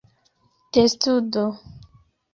testudo